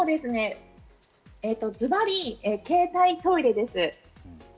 ズバリ、携帯トイレです。